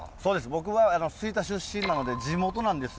僕は吹田出身なので地元なんですよ。